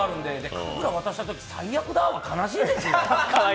神楽渡したとき、「最悪だ」は悲しいですよ。